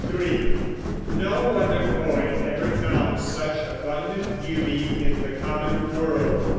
(3) No other poet ever found such abundant beauty in the common world.